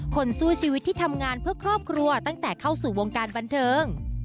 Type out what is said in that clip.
คนสู้ชีวิตที่ทำงานเพื่อครอบครัวตั้งแต่เข้าสู่วงการบันเทิง